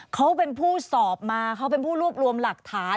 เขาเป็นผู้สอบมาเขาเป็นผู้รวบรวมหลักฐาน